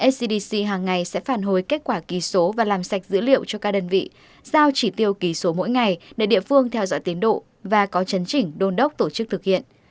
scdc hàng ngày sẽ phản hồi kết quả kỳ số và làm sạch dữ liệu cho các đơn vị giao chỉ tiêu kỳ số mỗi ngày để địa phương theo dõi tiến độ và có chấn chỉnh đôn đốc tổ chức thực hiện